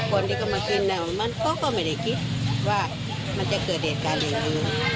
หมู่บ้านมันเสียอยู่แล้วแหละคนที่ก็มากินมันก็ไม่ได้คิดว่ามันจะเกิดเหตุการณ์อย่างนี้